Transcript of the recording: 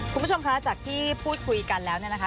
คุณผู้ชมคะจากที่พูดคุยกันแล้วเนี่ยนะคะ